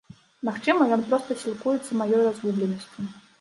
Магчыма, ён проста сілкуецца маёй разгубленасцю.